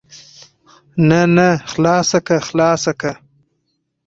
نه نه خلاصه که خلاصه که.